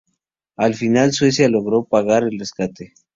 Al final, Suecia logró pagar el rescate.